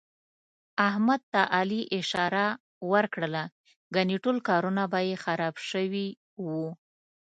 احمد ته علي اشاره ور کړله، ګني ټول کارونه به یې خراب شوي وو.